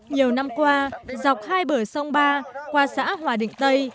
nhiều năm qua dọc hai bờ sông ba qua xã hòa định tây